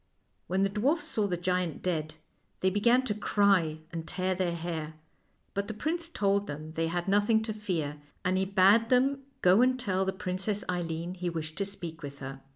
When the dwarfs saw the giant dead they be gan to cry and tear their hair. But the prince told them they had nothing to fear, and he bade them go and tell the Princess Eileen he wished to speak with her.